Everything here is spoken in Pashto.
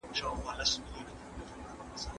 د اتم ټولګي ملګري مي یادېږي.